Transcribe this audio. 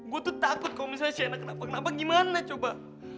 gue tuh takut kalo misalnya sena kenapa kenapa gimana coba